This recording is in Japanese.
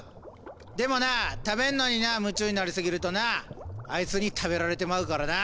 でもな食べんのにな夢中になりすぎるとなあいつに食べられてまうからな。